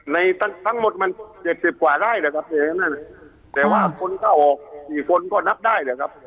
ทั้งหมดมันเจ็ดสิบกว่าไร่แหละครับอย่างนั้นแต่ว่าคนเข้าออกกี่คนก็นับได้แหละครับ